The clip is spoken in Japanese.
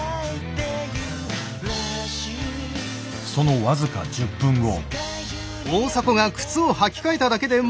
その僅か１０分後。